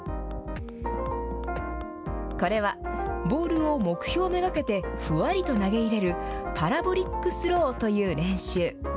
これは、ボールを目標目がけてふわりと投げ入れる、パラボリックスローという練習。